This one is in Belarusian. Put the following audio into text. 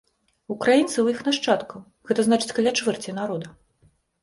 Украінцаў і іх нашчадкаў, гэта значыць каля чвэрці народа.